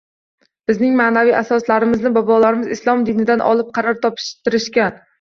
Bizning ma’naviy asoslarimizni bobolarimiz islom dinidan olib qaror toptirishgan.